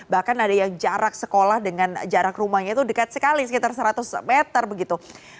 bahkan ada yang jarak sekolah dengan jarak rumahnya itu dekat sekali sekitar seratus meter begitu